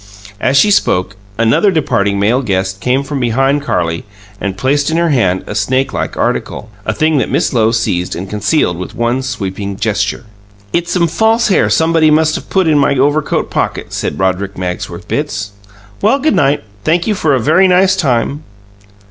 As she spoke, another departing male guest came from behind Carlie and placed in her hand a snakelike article a thing that Miss Lowe seized and concealed with one sweeping gesture. "It's some false hair somebody must of put in my overcoat pocket," said Roderick Magsworth Bitts. "Well, 'g night. Thank you for a very nice time."